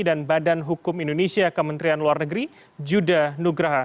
dan badan hukum indonesia kementerian luar negeri judah nugraha